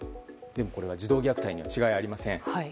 でもこれは児童虐待には違いありません。